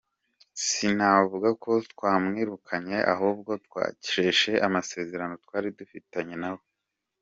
Sinavuga ko twamwirukanye ahubwo twasheshe amasezerano twari dufitanye na we.